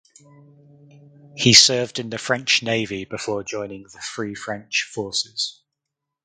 He served in the French Navy before joining the Free French Forces.